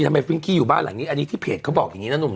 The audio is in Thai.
ฟิงกี้อยู่บ้านหลังนี้อันนี้ที่เพจเขาบอกอย่างนี้นะหนุ่ม